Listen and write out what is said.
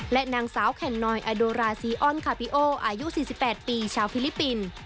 และนางสาวแคนนอยอาโดราซีออนคาปิโออายุ๔๘ปีชาวฟิลิปปินส์